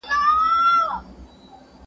پوهانو د حقايقو په روښانه کولو کي هڅه کوله.